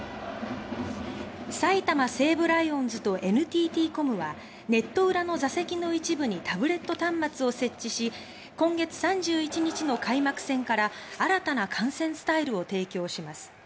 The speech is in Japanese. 埼玉西武ライオンズとＮＴＴコムはネット裏の座席の一部にタブレット端末を設置し今月３１日の開幕戦から新たな観戦スタイルを提供します。